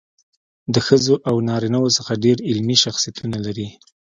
له ښځو او نارینه وو څخه ډېر علمي شخصیتونه لري.